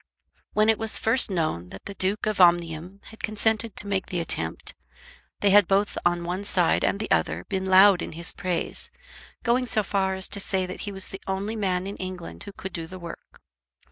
When it was first known that the Duke of Omnium had consented to make the attempt, they had both on one side and the other been loud in his praise, going so far as to say that he was the only man in England who could do the work.